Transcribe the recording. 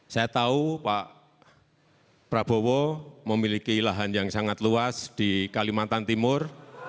saya tahu pak prabowo memiliki lahan yang sangat luas di kalimantan timur